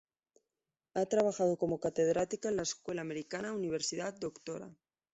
Ha trabajado como catedrática en la Escuela Americana, Universidad "Dr.